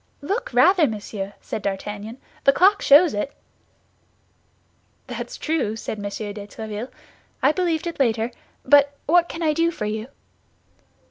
"Look, rather, monsieur," said D'Artagnan, "the clock shows it." "That's true," said M. de Tréville; "I believed it later. But what can I do for you?"